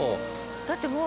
だってもう。